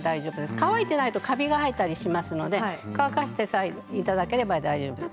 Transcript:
乾いていないとカビが生えたりしますので乾かしていただければ大丈夫です。